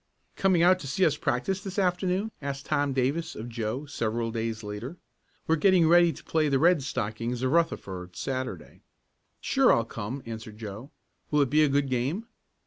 "Coming out to see us practice this afternoon?" asked Tom Davis of Joe several days later. "We're getting ready to play the Red Stockings of Rutherford, Saturday." "Sure I'll come," answered Joe. "Will it be a good game?"